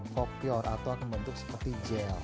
pokyur atau akan membentuk seperti gel